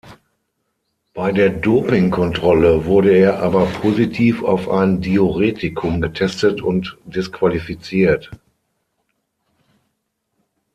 Bei der Dopingkontrolle wurde er aber positiv auf ein Diuretikum getestet und disqualifiziert.